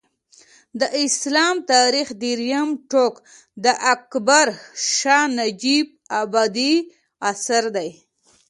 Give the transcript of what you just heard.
د اسلام تاریخ درېیم ټوک د اکبر شاه نجیب ابادي اثر دی